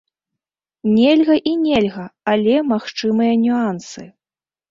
Нельга і нельга, але магчымыя нюансы!